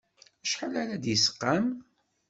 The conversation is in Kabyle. Acḥal ara d-yesqam?